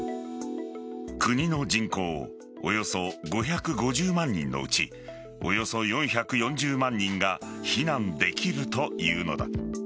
国の人口およそ５５０万人のうちおよそ４４０万人が避難できるというのだ。